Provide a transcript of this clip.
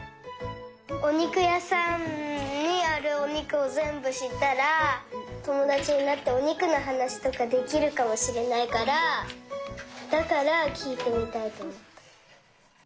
おにくやさんにあるおにくをぜんぶしったらともだちになっておにくのはなしとかできるかもしれないからだからきいてみたいとおもった。